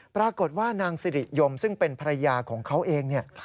ปรากฏว่านางสิริยมซึ่งเป็นภรรยาของเขาเองเนี่ย